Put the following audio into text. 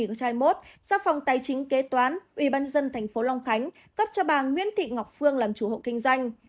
năm hai nghìn một do phòng tài chính kế toán ubnd tp long khánh cấp cho bà nguyễn thị ngọc phương làm chủ hộ kinh doanh